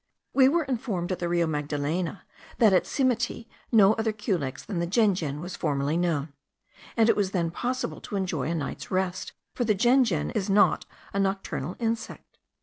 We were informed at the Rio Magdalena, that at Simiti no other culex than the jejen was formerly known; and it was then possible to enjoy a tranquil night's rest, for the jejen is not a nocturnal insect.